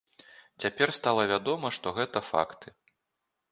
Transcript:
Цяпер стала вядома, што гэта факты.